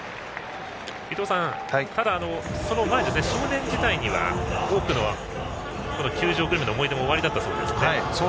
伊東さん、ただその前の少年時代には多くの球場グルメの思い出もおありだったそうですね。